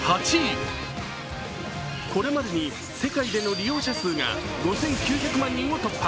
これまでに世界での利用者数が５９００万人を突破。